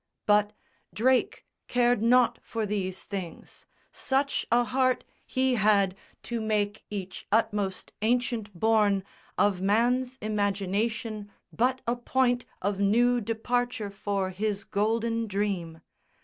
But Drake cared nought for these things. Such a heart He had, to make each utmost ancient bourne Of man's imagination but a point Of new departure for his Golden Dream.